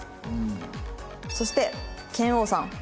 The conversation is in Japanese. そして拳王さん。